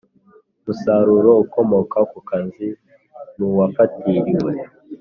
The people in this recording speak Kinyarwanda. musaruro ukomoka ku kazi n uwafatiriwe